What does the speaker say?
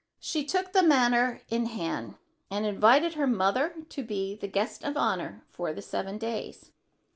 She took the matter in hand, and invited her mother to be the guest of honor for the seven days.